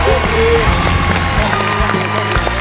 โอเค